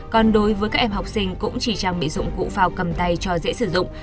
còn đối với các em học sinh cũng chỉ trang bị dụng cụ phao cầm tay cho dễ sử dụng